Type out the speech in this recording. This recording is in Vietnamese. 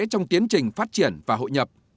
trong tiến trình phát triển và hội nhập